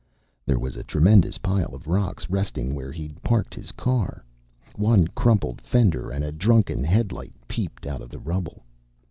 There was a tremendous pile of rocks resting where he'd parked his car. One crumpled fender and a drunken headlight peeped out of the rubble.